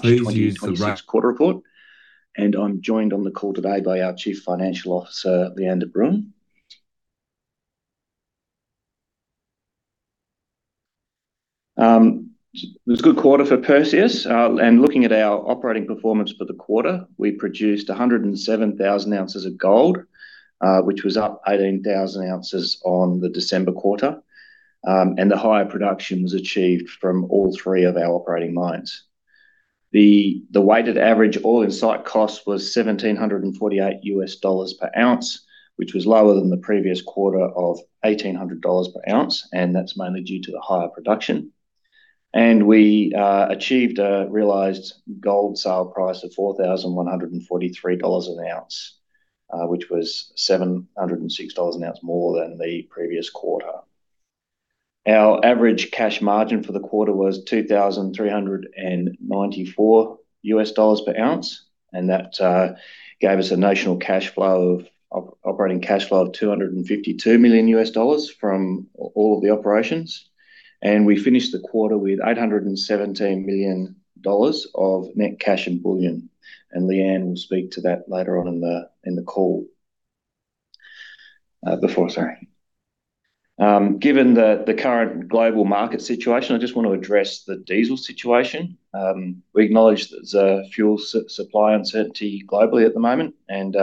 Please use the re- 2026 quarter report. I'm joined on the call today by our Chief Financial Officer, Lee-Anne de Bruin. It was a good quarter for Perseus, and looking at our operating performance for the quarter, we produced 107,000 oz of gold, which was up 18,000 oz on the December quarter. The higher production was achieved from all three of our operating mines. The weighted average all-in site cost was $1,748/oz, which was lower than the previous quarter of $1,800/oz, and that's mainly due to the higher production. We achieved a realized gold sale price of $4,143 an ounce, which was $706 an ounce more than the previous quarter. Our average cash margin for the quarter was $2,394/oz, and that gave us a notional operating cash flow of $252 million from all of the operations. We finished the quarter with 817 million dollars of net cash in bullion. Lee-Anne will speak to that later on in the call. Given the current global market situation, I just want to address the diesel situation. We acknowledge there's a fuel supply uncertainty globally at the moment, and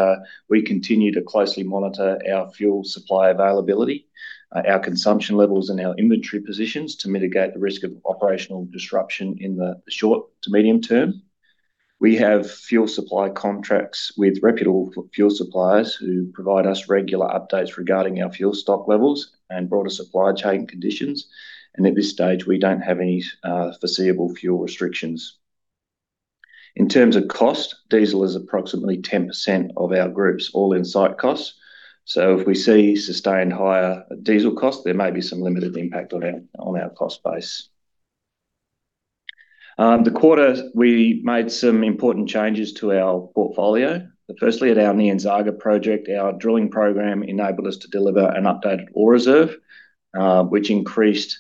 we continue to closely monitor our fuel supply availability, our consumption levels, and our inventory positions to mitigate the risk of operational disruption in the short to medium term. We have fuel supply contracts with reputable fuel suppliers who provide us regular updates regarding our fuel stock levels and broader supply chain conditions. At this stage, we don't have any foreseeable fuel restrictions. In terms of cost, diesel is approximately 10% of our group's all-in site costs. If we see sustained higher diesel costs, there may be some limited impact on our cost base. The quarter, we made some important changes to our portfolio. Firstly at our Nyanzaga project, our drilling program enabled us to deliver an updated ore reserve, which increased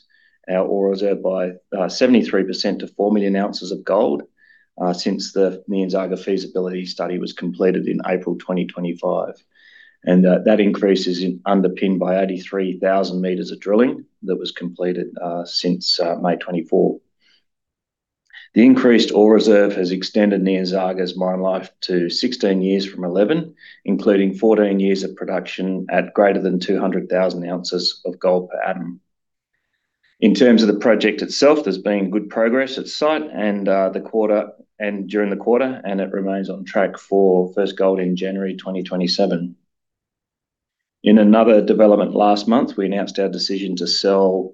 our ore reserve by 73% to 4,000,000 oz of gold since the Nyanzaga feasibility study was completed in April 2025. That increase is underpinned by 83,000 m of drilling that was completed since May 2024. The increased ore reserve has extended Nyanzaga's mine life to 16 years from 11 years, including 14 years of production at greater than 200,000 oz of gold per annum. In terms of the project itself, there's been good progress at site and during the quarter, and it remains on track for first gold in January 2027. In another development last month, we announced our decision to sell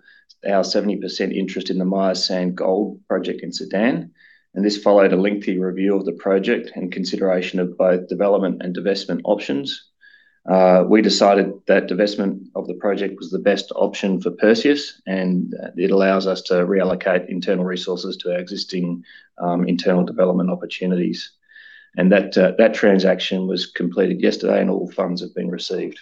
our 70% interest in the Meyas Sand Gold Project in Sudan, and this followed a lengthy review of the project and consideration of both development and divestment options. We decided that divestment of the project was the best option for Perseus, and it allows us to reallocate internal resources to our existing internal development opportunities. That transaction was completed yesterday, and all funds have been received.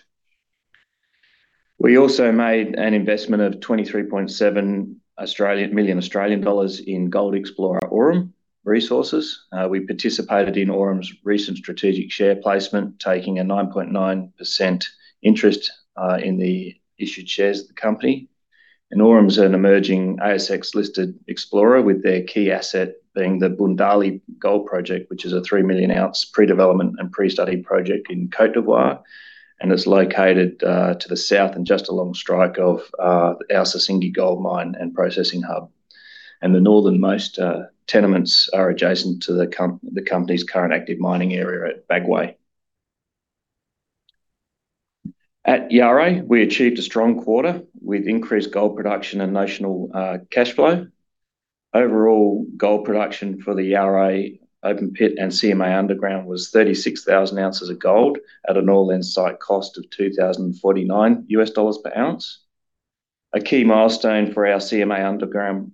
We also made an investment of 23.7 million Australian dollars in gold explorer Aurum Resources. We participated in Aurum's recent strategic share placement, taking a 9.9% interest in the issued shares of the company. Aurum's an emerging ASX-listed explorer with their key asset being the Boundiali Gold Project, which is a 3,000,000 oz pre-development and pre-study project in Côte d'Ivoire, and it's located to the South and just along strike of our Sissingué Gold Mine and processing hub. The northernmost tenements are adjacent to the company's current active mining area at Bagoé. At Yaouré, we achieved a strong quarter with increased gold production and positive cash flow. Overall gold production for the Yaouré open pit and CMA Underground was 36,000 oz of gold at an all-in site cost of $2,049/oz. A key milestone for our CMA Underground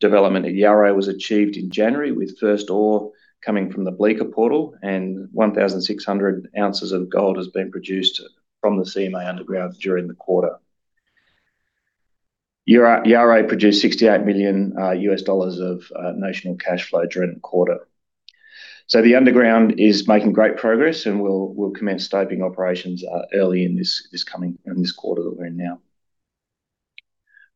development at Yaouré was achieved in January with first ore coming from the Blika portal, and 1,600 oz of gold has been produced from the CMA Underground during the quarter. Yaouré produced $68 million of notional cash flow during the quarter. The underground is making great progress, and we'll commence stoping operations early in this quarter that we're in now.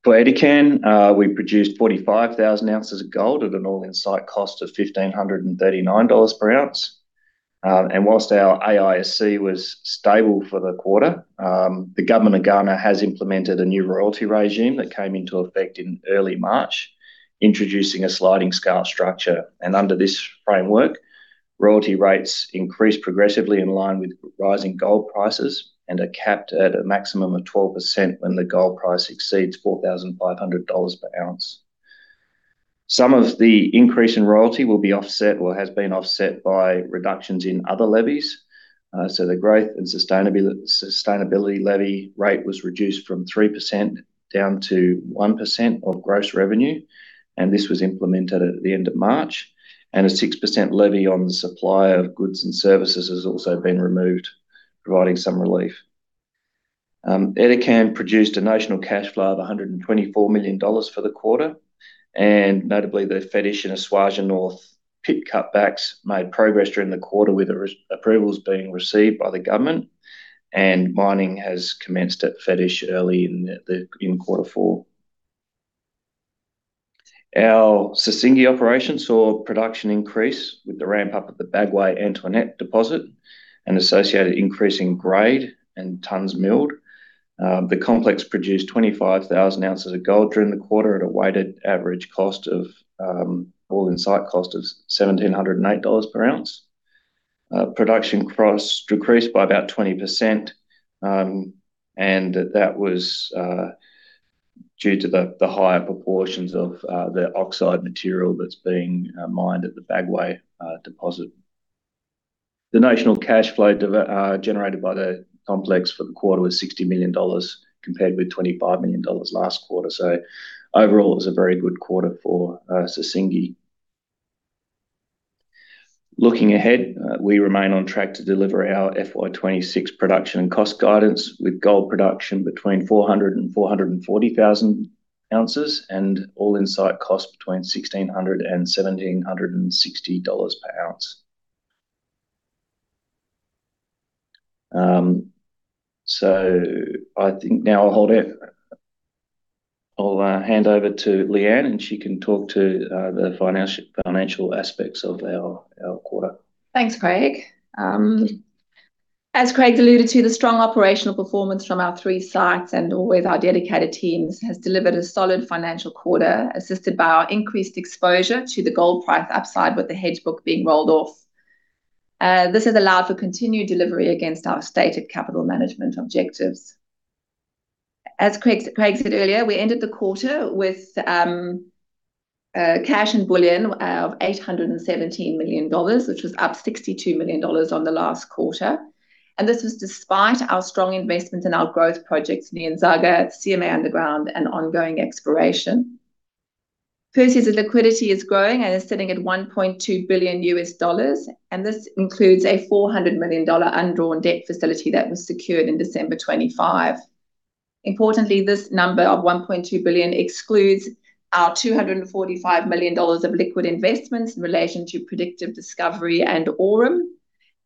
For Edikan, we produced 45,000 oz of gold at an all-in site cost of $1,539/oz. While our AISC was stable for the quarter, the government of Ghana has implemented a new royalty regime that came into effect in early March, introducing a sliding scale structure. Under this framework, royalty rates increase progressively in line with rising gold prices and are capped at a maximum of 12% when the gold price exceeds $4,500/oz. Some of the increase in royalty will be offset or has been offset by reductions in other levies. The Growth and Sustainability Levy rate was reduced from 3% down to 1% of gross revenue, and this was implemented at the end of March. A 6% levy on the supply of goods and services has also been removed, providing some relief. Edikan produced a net cash flow of 124 million dollars for the quarter, and notably, the Fetish and Esuajah North pit cutbacks made progress during the quarter with approvals being received by the government, and mining has commenced at Fetish early in quarter four. Our Sissingué operation saw production increase with the ramp up at the Bagoé Antoinette deposit, an associated increase in grade and tonnes milled. The complex produced 25,000 oz of gold during the quarter at a weighted average all-in site cost of $1,708/oz. Production costs decreased by about 20%, and that was due to the higher proportions of the oxide material that's being mined at the Bagoé deposit. The net cash flow generated by the complex for the quarter was 60 million dollars, compared with 25 million dollars last quarter. Overall, it was a very good quarter for Sissingué. Looking ahead, we remain on track to deliver our FY 2026 production and cost guidance with gold production between 400,000 oz and 440,000 oz, and all-in site cost between $1,600/oz and $1,760/oz. I think now I'll hold it. I'll hand over to Lee-Anne and she can talk to the financial aspects of our quarter. Thanks, Craig. As Craig alluded to, the strong operational performance from our three sites and with our dedicated teams has delivered a solid financial quarter, assisted by our increased exposure to the gold price upside with the hedge book being rolled off. This has allowed for continued delivery against our stated capital management objectives. As Craig said earlier, we ended the quarter with cash and bullion of 817 million dollars, which was up 62 million dollars on the last quarter. This was despite our strong investment in our growth projects, Nyanzaga, CMA Underground and ongoing exploration. Perseus' liquidity is growing and is sitting at $1.2 billion, and this includes a 400 million dollar undrawn debt facility that was secured in December 2025. Importantly, this number of $1.2 billion excludes our $245 million of liquid investments in relation to Predictive Discovery and Aurum,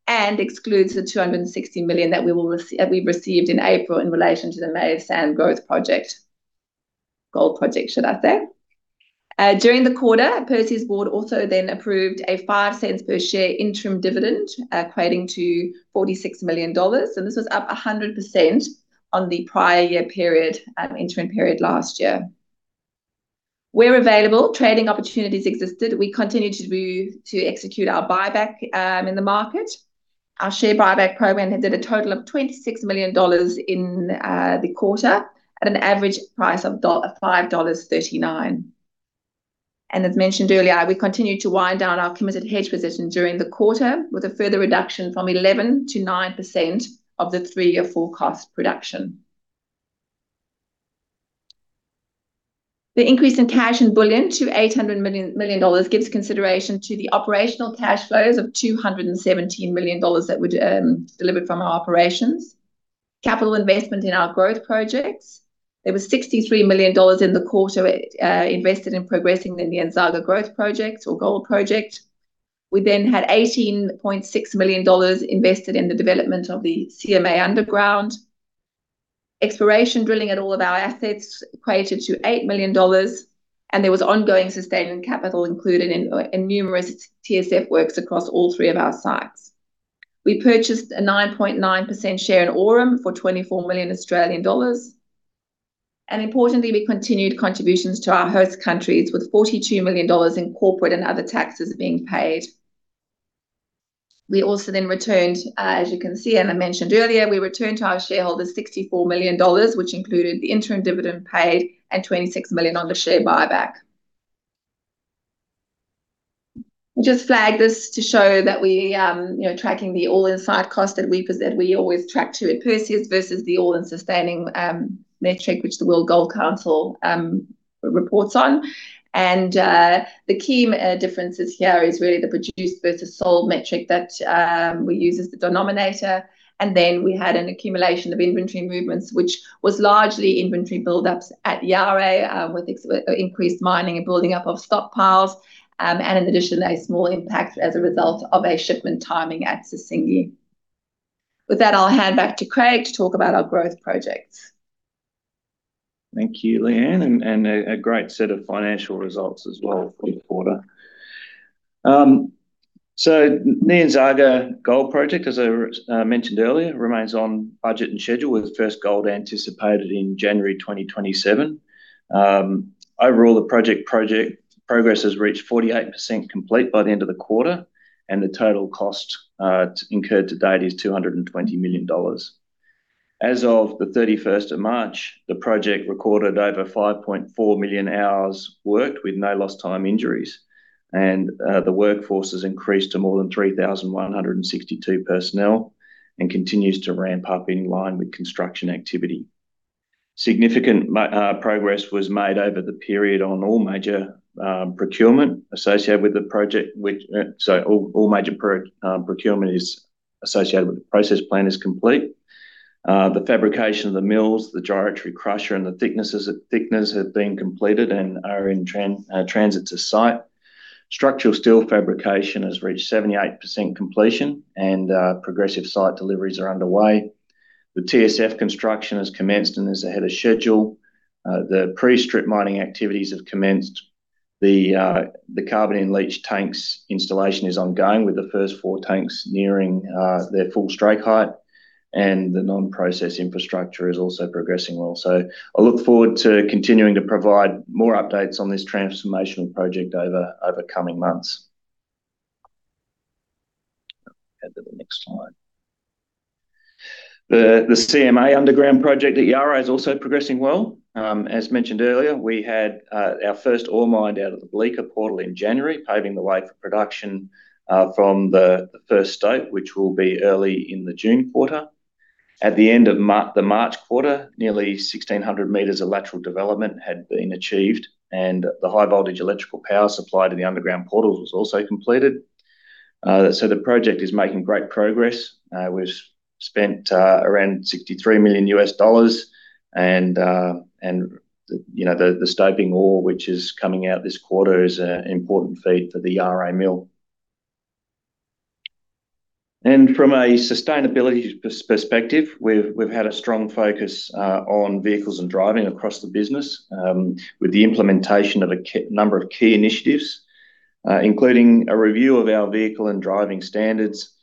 and excludes the $260 million that we received in April in relation to the Meyas Sand Gold project, should I say. During the quarter, Perseus' board also then approved a $0.05 per share interim dividend, equating to $46 million, so this was up 100% on the prior year period, interim period last year. Where available, trading opportunities existed, we continued to execute our buyback in the market. Our share buyback program did a total of $26 million in the quarter at an average price of $5.39. As mentioned earlier, we continued to wind down our committed hedge position during the quarter with a further reduction from 11%-9% of the three-year forecast production. The increase in cash and bullion to 800 million dollars gives consideration to the operational cash flows of 217 million dollars that were delivered from our operations. Capital investment in our growth projects. There was 63 million dollars in the quarter invested in progressing the Nyanzaga growth project or gold project. We then had 18.6 million dollars invested in the development of the CMA Underground. Exploration drilling at all of our assets equated to 8 million dollars, and there was ongoing sustaining capital included in numerous TSF works across all three of our sites. We purchased a 9.9% share in Aurum for 24 million Australian dollars. Importantly, we continued contributions to our host countries with $42 million in corporate and other taxes being paid. We also then returned, as you can see and I mentioned earlier, to our shareholders $64 million, which included the interim dividend paid and $26 million on the share buyback. Just flag this to show that we are tracking the all-in site cost that we always track to at Perseus versus the all-in sustaining cost which the World Gold Council reports on. The key differences here is really the produced versus sold metric that we use as the denominator. We had an accumulation of inventory movements, which was largely inventory buildups at Yaouré with increased mining and building up of stockpiles. In addition, a small impact as a result of a shipment timing at Sissingué. With that, I'll hand back to Craig to talk about our growth projects. Thank you, Lee-Anne, and a great set of financial results as well for the quarter. Nyanzaga Gold Project, as I mentioned earlier, remains on budget and schedule with the first gold anticipated in January 2027. Overall, the project progress has reached 48% complete by the end of the quarter, and the total cost incurred to date is $220 million. As of March 31st, the project recorded over 5.4 million hours worked with no lost time injuries. The workforce has increased to more than 3,162 personnel and continues to ramp up in line with construction activity. Significant progress was made over the period on all major procurement associated with the project. Sorry, all major procurement associated with the processing plant is complete. The fabrication of the mills, the gyratory crusher, and the thickeners have been completed and are in transit to site. Structural steel fabrication has reached 78% completion, and progressive site deliveries are underway. The TSF construction has commenced and is ahead of schedule. The pre-strip mining activities have commenced. The carbon-in-leach tanks installation is ongoing, with the first four tanks nearing their full strike height, and the non-process infrastructure is also progressing well. I look forward to continuing to provide more updates on this transformational project over coming months. Head to the next slide. The CMA Underground project at Yaouré is also progressing well. As mentioned earlier, we had our first ore mined out of the Blika portal in January, paving the way for production from the first stope, which will be early in the June quarter. At the end of the March quarter, nearly 1,600 m of lateral development had been achieved, and the high voltage electrical power supply to the underground portals was also completed. The project is making great progress. We've spent around $63 million and the stoping ore which is coming out this quarter is an important feed for the Yaouré mill. From a sustainability perspective, we've had a strong focus on vehicles and driving across the business, with the implementation of a number of key initiatives including a review of our vehicle and driving standards,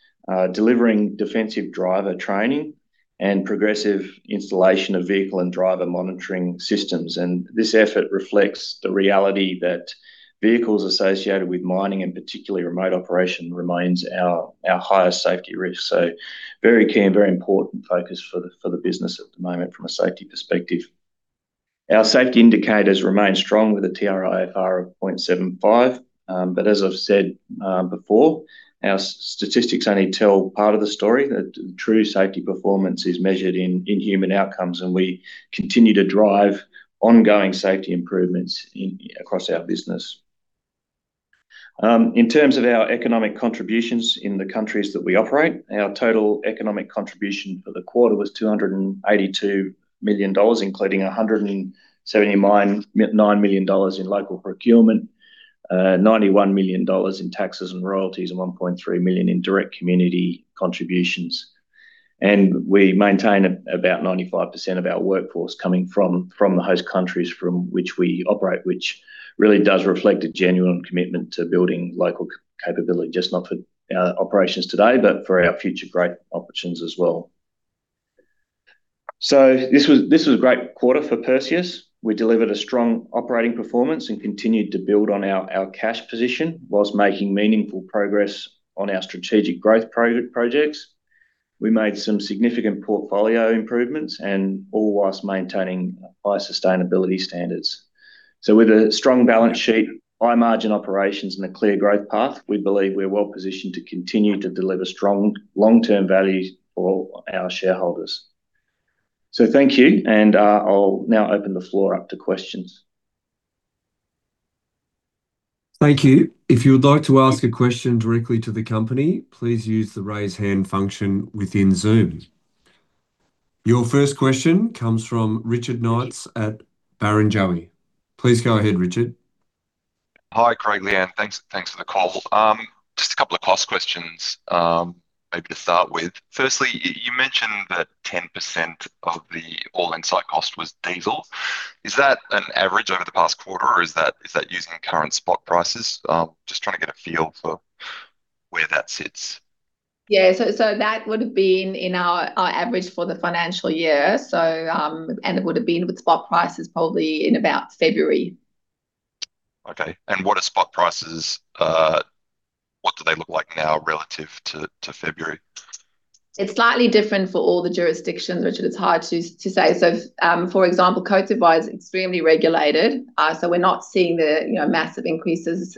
delivering defensive driver training, and progressive installation of vehicle and driver monitoring systems. This effort reflects the reality that vehicles associated with mining and particularly remote operation remains our highest safety risk. Very key and very important focus for the business at the moment from a safety perspective. Our safety indicators remain strong with a TRIR of 0.75. As I've said before, our statistics only tell part of the story, that true safety performance is measured in human outcomes, and we continue to drive ongoing safety improvements across our business. In terms of our economic contributions in the countries that we operate, our total economic contribution for the quarter was AUD 282 million, including AUD 179 million in local procurement, AUD 91 million in taxes and royalties, and AUD 1.3 million in direct community contributions. We maintain about 95% of our workforce coming from the host countries from which we operate, which really does reflect a genuine commitment to building local capability, just not for our operations today, but for our future growth opportunities as well. This was a great quarter for Perseus. We delivered a strong operating performance and continued to build on our cash position while making meaningful progress on our strategic growth projects. We made some significant portfolio improvements and all while maintaining high sustainability standards. With a strong balance sheet, high margin operations and a clear growth path, we believe we're well positioned to continue to deliver strong long-term value for our shareholders. Thank you, and I'll now open the floor up to questions. Thank you. If you would like to ask a question directly to the company, please use the raise hand function within Zoom. Your first question comes from Richard Knights at Barrenjoey. Please go ahead, Richard. Hi, Craig, Lee-Anne. Thanks for the call. Just a couple of cost questions maybe to start with. Firstly, you mentioned that 10% of the all-in site cost was diesel. Is that an average over the past quarter or is that using current spot prices? Just trying to get a feel for where that sits. Yeah. That would have been in our average for the financial year. It would have been with spot prices probably in about February. Okay. What are spot prices? What do they look like now relative to February? It's slightly different for all the jurisdictions, Richard. It's hard to say. For example, Côte d'Ivoire is extremely regulated. We're not seeing the massive increases.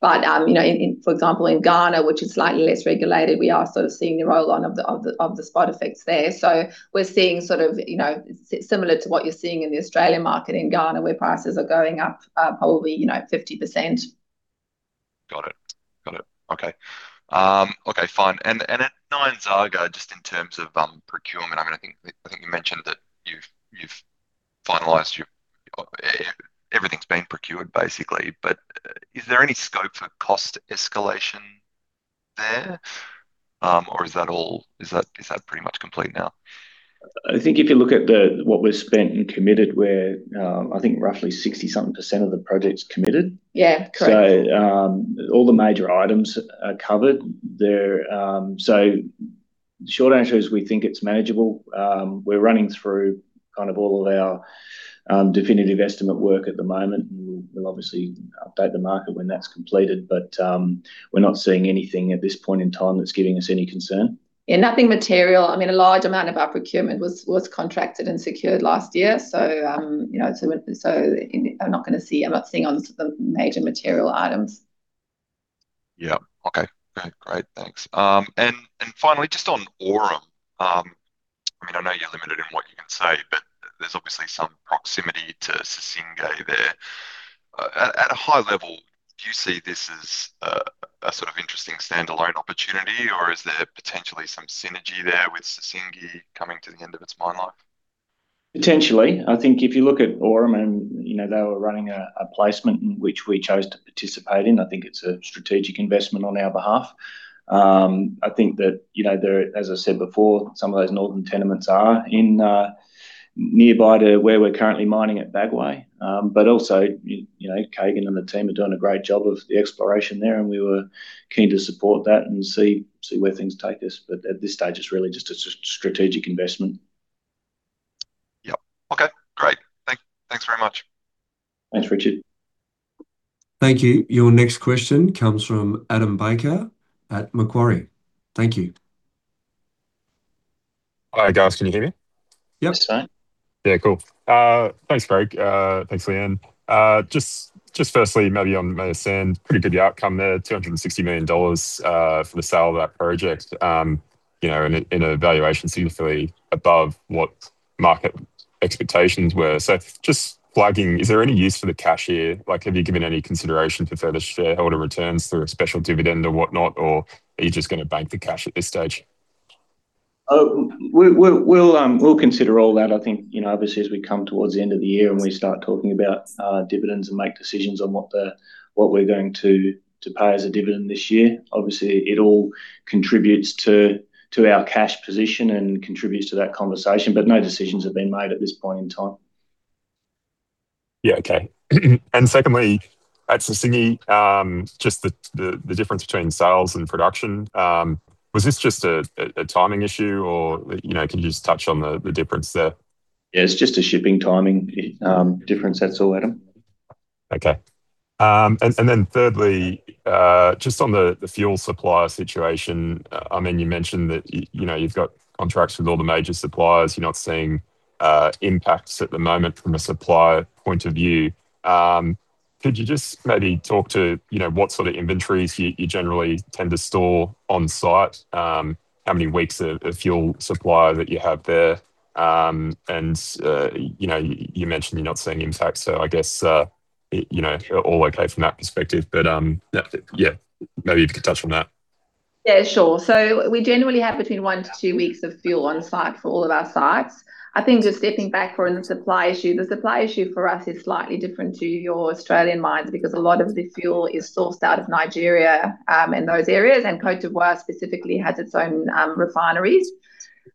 For example, in Ghana, which is slightly less regulated, we are sort of seeing the roll-on of the spot effects there. We're seeing sort of similar to what you're seeing in the Australian market in Ghana, where prices are going up probably 50%. Got it. Okay. Okay, fine. At Nyanzaga, just in terms of procurement, I think you mentioned that everything's been procured basically. Is there any scope for cost escalation there? Or is that pretty much complete now? I think if you look at what we've spent and committed, we're I think roughly 60-something percent of the project's committed. Yeah, correct. All the major items are covered. Short answer is we think it's manageable. We're running through kind of all of our definitive estimate work at the moment, and we'll obviously update the market when that's completed. We're not seeing anything at this point in time that's giving us any concern. Yeah, nothing material. I mean, a large amount of our procurement was contracted and secured last year. I'm not seeing anything on the major material items. Yeah. Okay, great. Thanks. Finally, just on Aurum. I know you're limited in what you can say, but there's obviously some proximity to Sissingué there. At a high level, do you see this as a sort of interesting standalone opportunity, or is there potentially some synergy there with Sissingué coming to the end of its mine life? Potentially. I think if you look at Aurum and they were running a placement in which we chose to participate in, I think it's a strategic investment on our behalf. I think that, as I said before, some of those northern tenements are nearby to where we're currently mining at Bagoé. Also, Kagan and the team are doing a great job of the exploration there, and we were keen to support that and see where things take us. At this stage, it's really just a strategic investment. Yep. Okay, great. Thanks very much. Thanks, Richard. Thank you. Your next question comes from Adam Baker at Macquarie. Thank you. Hi, guys. Can you hear me? Yes. Sure. Yeah, cool. Thanks, Craig. Thanks, Lee-Anne. Just firstly, maybe on Meyas Sand, pretty good outcome there, $260 million for the sale of that project in a valuation significantly above what market expectations were. Just flagging, is there any use for the cash here? Have you given any consideration for further shareholder returns through a special dividend or whatnot, or are you just going to bank the cash at this stage? We'll consider all that. I think, obviously, as we come towards the end of the year and we start talking about dividends and make decisions on what we're going to pay as a dividend this year. Obviously, it all contributes to our cash position and contributes to that conversation. No decisions have been made at this point in time. Yeah, okay. Secondly, at Sissingué, just the difference between sales and production. Was this just a timing issue or can you just touch on the difference there? Yeah, it's just a shipping timing difference. That's all, Adam. Okay. Thirdly, just on the fuel supplier situation. You mentioned that you've got contracts with all the major suppliers. You're not seeing impacts at the moment from a supplier point of view. Could you just maybe talk to what sort of inventories you generally tend to store on site? How many weeks of fuel supply that you have there? You mentioned you're not seeing impact, so I guess you're all okay from that perspective. Yeah. Maybe you could touch on that. Yeah, sure. We generally have between one to two weeks of fuel on site for all of our sites. I think just stepping back for the supply issue, the supply issue for us is slightly different to your Australian mines because a lot of the fuel is sourced out of Nigeria, and those areas, and Côte d'Ivoire specifically has its own refineries.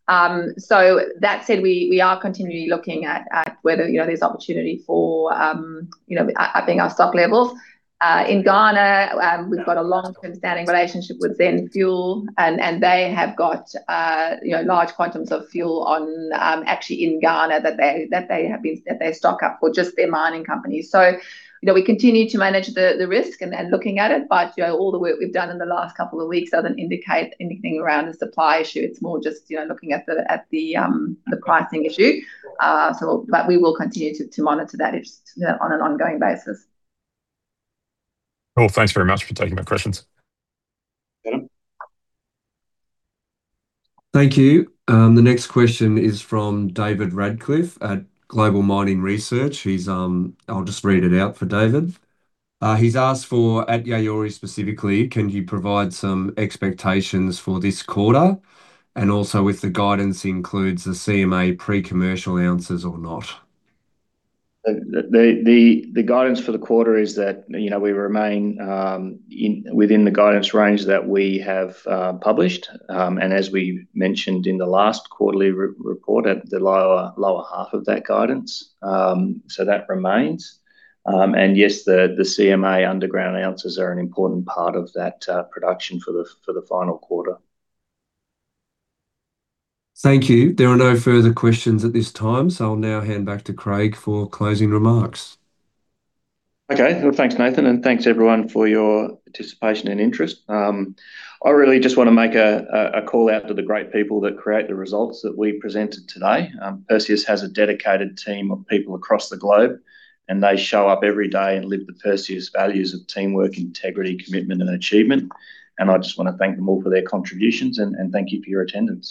That said, we are continually looking at whether there's opportunity for upping our stock levels. In Ghana, we've got a long-term standing relationship with ZEN Petroleum, and they have got large quantities of fuel actually in Ghana that they stock up for just their mining companies. We continue to manage the risk and looking at it, but all the work we've done in the last couple of weeks doesn't indicate anything around the supply issue. It's more just looking at the pricing issue. We will continue to monitor that on an ongoing basis. Cool. Thanks very much for taking my questions. Thank you. The next question is from David Radclyffe at Global Mining Research. I'll just read it out for David. He's asked for, at Yaouré specifically, can you provide some expectations for this quarter? And also if the guidance includes the CMA pre-commercial ounces or not. The guidance for the quarter is that we remain within the guidance range that we have published. As we mentioned in the last quarterly report, at the lower half of that guidance, so that remains. Yes, the CMA Underground ounces are an important part of that production for the final quarter. Thank you. There are no further questions at this time, so I'll now hand back to Craig for closing remarks. Okay. Well, thanks, Nathan, and thanks everyone for your participation and interest. I really just want to make a call out to the great people that create the results that we presented today. Perseus has a dedicated team of people across the globe, and they show up every day and live the Perseus values of teamwork, integrity, commitment, and achievement. I just want to thank them all for their contributions, and thank you for your attendance.